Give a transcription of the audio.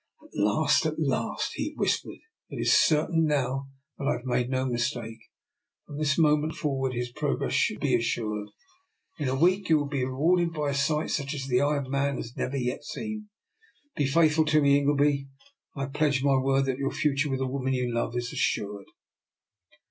" At last, at last," he whispered. " It is certain now that I have made no mistake. From this moment forward his progress should be assured. In a week you will be re warded by a sight such as the eye of man has never yet seen. Be faithful to me, Ingleby, and I pledge my word your future with the woman you love is assured."